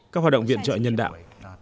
các hoạt động viện trợ nhân đạo